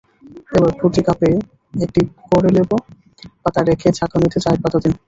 এবার প্রতি কাপে একটি করেলেবু পাতা রেখে ছাঁকনিতে চায়ের পাতা দিন।